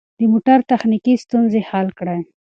د موټر تخنیکي ستونزې حل کړئ.